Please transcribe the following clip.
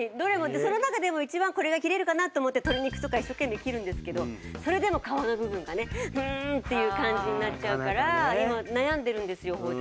その中でも一番これが切れるかなって思って鶏肉とか一生懸命切るんですけどそれでも皮の部分がねフンーッていう感じになっちゃうから今悩んでるんですよ包丁。